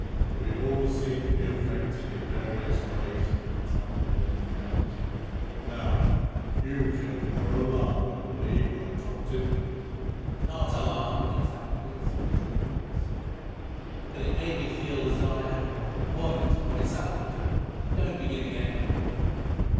"We all seem to be affected in various ways," he went on, blowing his nose. "Now, you gentlemen were alarmed, I believe, when I trumpeted." "Not alarmed, exactly," said the troop horse, "but it made me feel as though I had hornets where my saddle ought to be. Don't begin again."